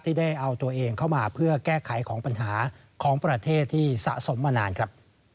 ได้เอาตัวเองเข้ามาเพื่อแก้ไขของปัญหาของประเทศที่สะสมมานานครับ